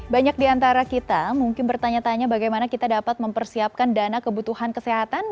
banyak di antara kita mungkin bertanya tanya bagaimana kita dapat mempersiapkan dana kebutuhan kesehatan